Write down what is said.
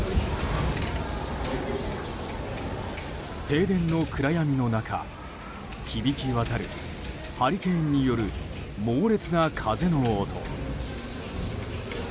停電の暗闇の中響き渡るハリケーンによる猛烈な風の音。